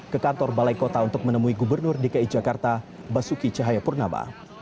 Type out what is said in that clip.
ke kantor balai kota untuk menemui gubernur dki jakarta basuki cahayapurnama